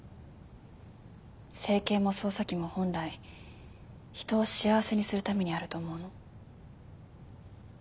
整形も操作機も本来人を幸せにするためにあると思うの。